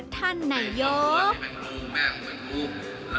ท่านนายก